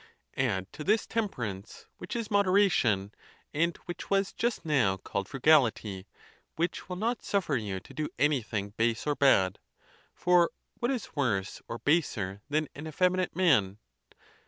Add to this temper ance, which is moderation, and which was just now called frugality, which will not suffer you to do anything base or bad—for what is worse or baser than an effeminate man